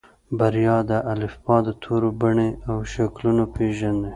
بريا د الفبا د تورو بڼې او شکلونه پېژني.